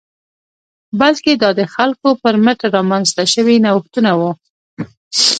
بلکې دا د خلکو پر مټ رامنځته شوي نوښتونه وو